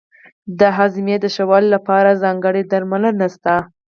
د هاضمې د ښه والي لپاره ځانګړي درمل شته.